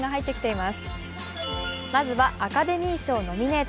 まずはアカデミー賞ノミネート